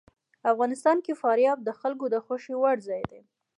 افغانستان کې فاریاب د خلکو د خوښې وړ ځای دی.